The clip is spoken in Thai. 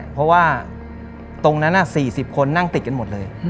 เพราะว่าตรงนั้น๔๐คนนั่งติดกันหมดเลย